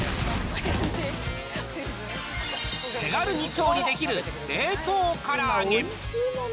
手軽に調理できる冷凍から揚げ。